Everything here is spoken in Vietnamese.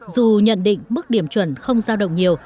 dù nhận định mức điểm chuẩn không giao động nhiều